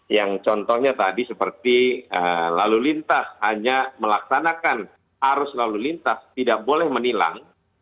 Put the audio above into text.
yang contohnya tadi seperti lalu lintas hanya melaksanakan arus lalu lintas tidak boleh menilang